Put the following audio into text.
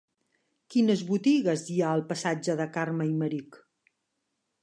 Quines botigues hi ha al passatge de Carme Aymerich?